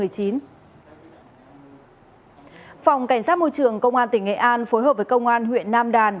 phòng cảnh sát môi trường công an tỉnh nghệ an phối hợp với công an huyện nam đàn